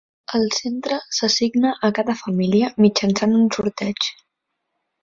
El centre s'assigna a cada família mitjançant un sorteig.